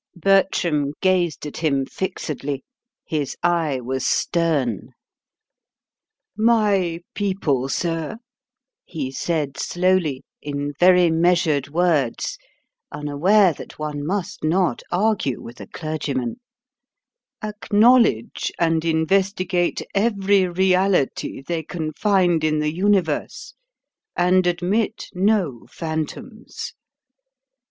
Bertram gazed at him fixedly. His eye was stern. "My people, sir," he said slowly, in very measured words, unaware that one must not argue with a clergyman, "acknowledge and investigate every reality they can find in the universe and admit no phantoms.